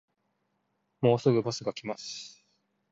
もうすぐバスが来ます